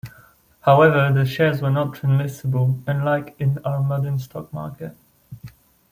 However, the shares were not transmissible, unlike in our modern stock market.